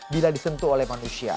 bila disentuh oleh manusia